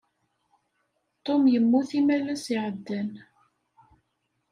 Tum yemmut imalas iɛeddan.